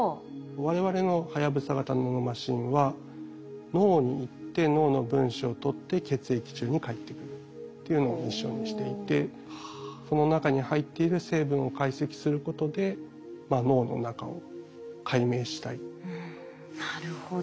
我々のはやぶさ型ナノマシンは脳に行って脳の分子を取って血液中に帰ってくるっていうのをミッションにしていてその中に入っている成分を解析することでなるほど。